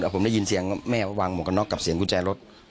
ผมได้ยินเสียงแม่วางหมวกกันน็อกกับเสียงกุญแจรถ